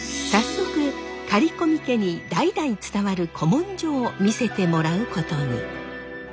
早速刈込家に代々伝わる古文書を見せてもらうことに。